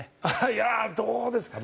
いやあどうですか？